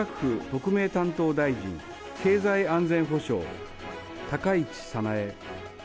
特命担当大臣、経済安全保障、高市早苗。